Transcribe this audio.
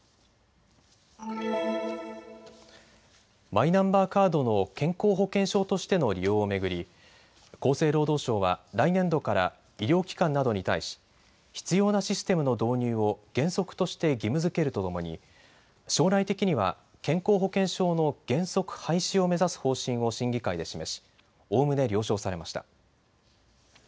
マイナンバーカードの健康保険証としての利用を巡り、厚生労働省は来年度から医療機関などに対し必要なシステムの導入を原則として義務づけるとともに将来的には健康保険証の原則廃止を目指す方針を審議会で示しおおむね了承されました。